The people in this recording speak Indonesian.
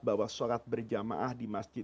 bahwa sholat berjamaah di masjid